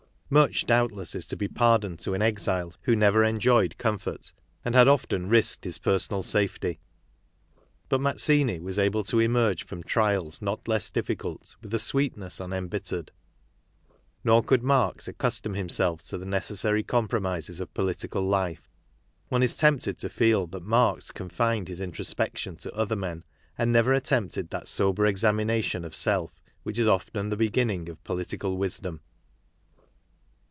26 KARL MARX Much, doubtless, is to be pardoned to an exile who never enjoyed comfort, and had often risked his personal safety ; but Mazzini was able to emerge from trials not less diffi cult with a sweetness unembittered. Nor could Marx accustom himself to the necessary compromises of political life. One is tempted to feel that Marx confined his introspection to other men, and never attempted that sober examination of self which is often the beginning of political wisdom.